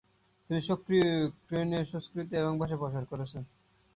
তিনি সক্রিয়ভাবে ইউক্রেনীয় সংস্কৃতি এবং ভাষার প্রচার করেছেন।